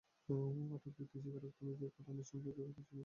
আটক ব্যক্তির স্বীকারোক্তি অনুযায়ী ঘটনার সঙ্গে জড়িত তিনজনের পরিচয় পাওয়া গেছে।